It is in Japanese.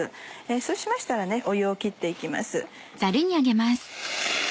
そうしましたら湯を切って行きます。